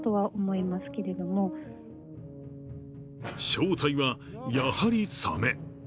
正体は、やはりサメ。